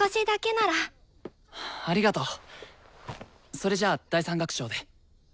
それじゃあ第３楽章で。